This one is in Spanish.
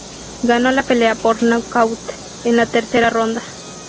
Ganó la pelea por nocaut en la tercera ronda.